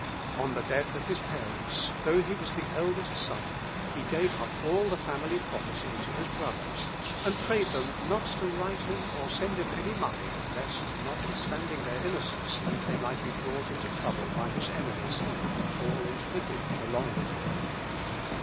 On the death of his parents, though he was the eldest son, he gave up all the family property to his brothers, and prayed them not to write him or send him any money, lest, notwithstanding their innocence, they might be brought into trouble by his enemies, and fall into the ditch along with him.